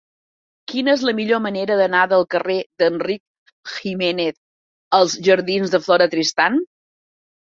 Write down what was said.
Quina és la millor manera d'anar del carrer d'Enric Giménez als jardins de Flora Tristán?